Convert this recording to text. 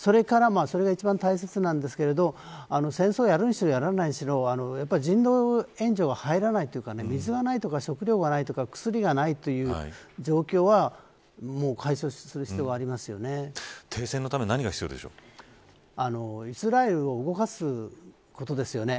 それが一番大切なんですけど戦争をやるにしろやらないにしろ人道援助が入らないというか水がないとか食料がないとか薬がないという状況はもう停戦のためにイスラエルを動かすことですよね。